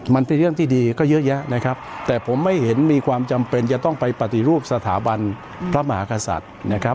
มันเป็นเรื่องที่ดีก็เยอะแยะนะครับแต่ผมไม่เห็นมีความจำเป็นจะต้องไปปฏิรูปสถาบันพระมหากษัตริย์นะครับ